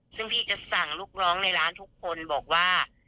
ซึ่งพี่จะสั่งลูกน้องในร้านทุกคนบอกว่า